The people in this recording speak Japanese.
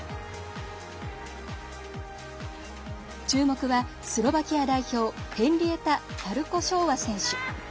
注目はスロバキア代表ヘンリエタ・ファルコショーワ選手。